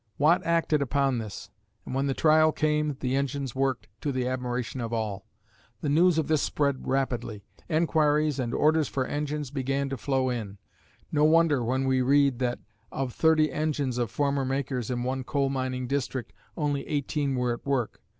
Watt acted upon this, and when the trial came the engines worked "to the admiration of all." The news of this spread rapidly. Enquiries and orders for engines began to flow in. No wonder when we read that of thirty engines of former makers in one coal mining district only eighteen were at work.